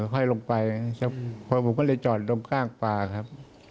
ค่อยลงไปพอผมก็เลยจอดดมข้างป่าครับ